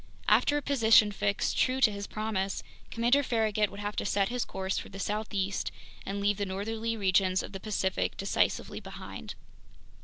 After a position fix, true to his promise, Commander Farragut would have to set his course for the southeast and leave the northerly regions of the Pacific decisively behind.